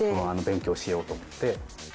勉強しようと思って。